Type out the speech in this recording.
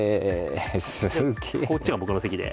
こっちが僕の席で。